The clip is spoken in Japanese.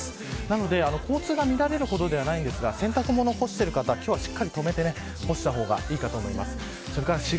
なので、交通が乱れるほどではないんですが洗濯物を干している方は今日はしっかりと留めて干した方がいいと思います。